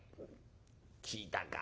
聞いたか？